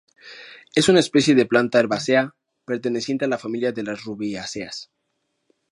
Es una especie de planta herbácea perteneciente a la familia de las rubiáceas.